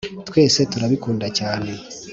twese turabikunda cyane.